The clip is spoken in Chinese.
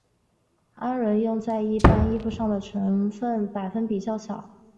氨纶用在一般衣服上的成分百分比较小。